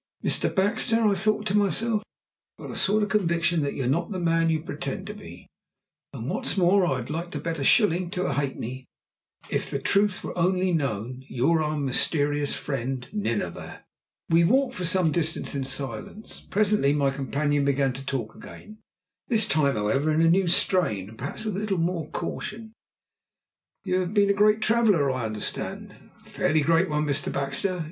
"Mr. Baxter," I thought to myself, "I've got a sort of conviction that you're not the man you pretend to be, and what's more I'd like to bet a shilling to a halfpenny that, if the truth were only known, you're our mysterious friend Nineveh." We walked for some distance in silence. Presently my companion began to talk again this time, however, in a new strain, and perhaps with a little more caution. "You have been a great traveller, I understand." "A fairly great one, Mr. Baxter.